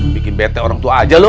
bikin bete orang tua aja loh